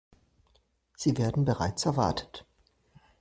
Sie werden bereits erwartet.